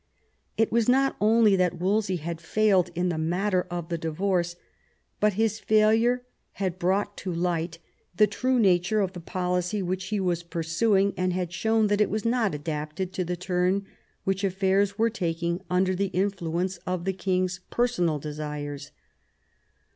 It was not only that Wolsey had failed in the matter of the divorce, but his failure had brought to light the IX THE KING'S DIVORCE 179 , true nature of the policy which he was pursiipig, and had shown that it was not adapted to the turn which affairs were taking under the influence of the king's personal desires.